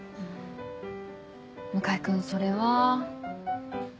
向井君それは。